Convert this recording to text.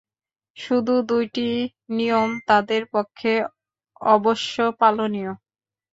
শুধু দুইটি নিয়ম তাঁদের পক্ষে অবশ্য পালনীয়।